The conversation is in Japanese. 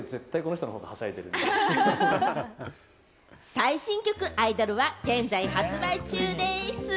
最新曲『アイドル』は現在、発売中でぃす。